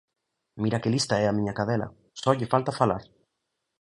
Mira que lista é a miña cadela, só lle falta falar.